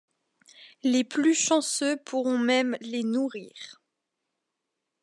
Les plus chanceux pourront même les nourrir.